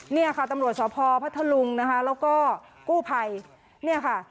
เนี่ยค่ะตำรวจสพพัทธลุงนะคะแล้วก็กู้ภัยเนี่ยค่ะ